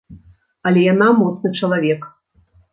Але яна моцны чалавек.